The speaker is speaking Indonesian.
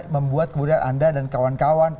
membuat kemudian anda dan kawan kawan